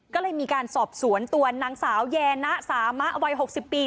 ก็เลยมีการสอบสวนตัวนางสาวแยนะสามะวัย๖๐ปี